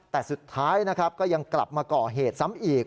แต่สุดท้ายนะครับก็ยังกลับมาก่อเหตุซ้ำอีก